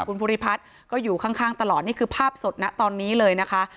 คุณภูริพัฒน์ก็อยู่ข้างตลอดนี่คือภาพสดนะตอนนี้เลยนะคะ